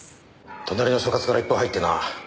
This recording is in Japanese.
隣の所轄から一報入ってな。